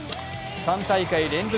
３大会連続